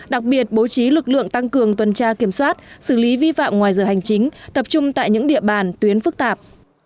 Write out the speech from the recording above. đặc biệt bố trí lực lượng tăng cường tuần tra kiểm soát xử lý vi phạm ngoài giờ hành chính tập trung tại những địa bàn tuyến phức tạp